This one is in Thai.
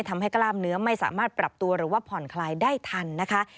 ทำให้กล้ามเนื้อไม่สามารถปรับตัวหรือว่าผ่อนคลายได้ทันนะคะ